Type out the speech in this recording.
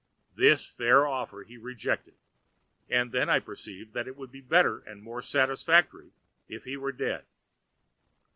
This fair offer he rejected, and I then perceived that it would be better and more satisfactory if he were dead.